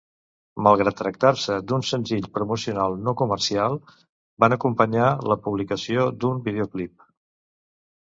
Malgrat tractar-se d'un senzill promocional no comercial, van acompanyar la publicació d'un videoclip.